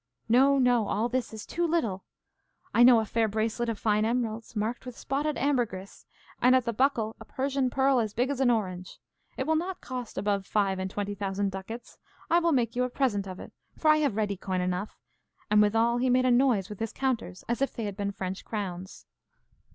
No, no, all this is too little. I know a fair bracelet of fine emeralds, marked with spotted ambergris, and at the buckle a Persian pearl as big as an orange. It will not cost above five and twenty thousand ducats. I will make you a present of it, for I have ready coin enough, and withal he made a noise with his counters, as if they had been French crowns.